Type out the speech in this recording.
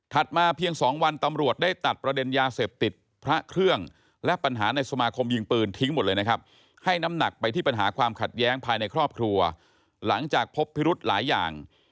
มาเพียง๒วันตำรวจได้ตัดประเด็นยาเสพติดพระเครื่องและปัญหาในสมาคมยิงปืนทิ้งหมดเลยนะครับให้น้ำหนักไปที่ปัญหาความขัดแย้งภายในครอบครัวหลังจากพบพิรุธหลายอย่าง